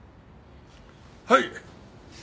はい！